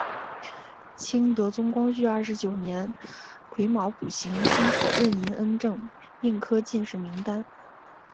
清德宗光绪二十九年癸卯补行辛丑壬寅恩正并科进士名单。